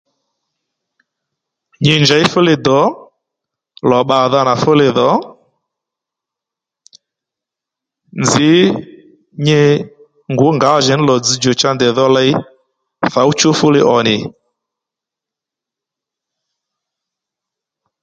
Nyi njěy fúli dò lò bbàdha nà fúli dhò nzǐ nyi ngǔ ngǎjìní lò dzzdjò cha ndèy dho ley thǒw tsǔw fúli ò nì